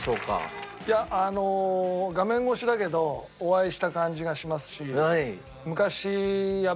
画面越しだけどお会いした感じがしますし。